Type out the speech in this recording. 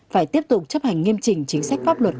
phải tiếp tục chấp hành nghiêm trình chính sách pháp luật